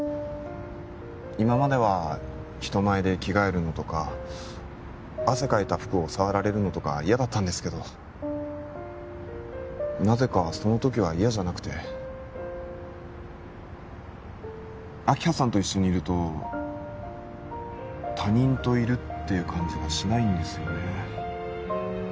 今までは人前で着替えるのとか汗かいた服を触られるのとか嫌だったんですけどなぜかその時は嫌じゃなくて明葉さんと一緒にいると他人といるっていう感じがしないんですよね